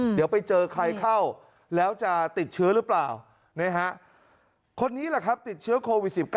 เดี๋ยวไปเจอใครเข้าแล้วจะติดเชื้อหรือเปล่าคนนี้แหละครับติดเชื้อโควิด๑๙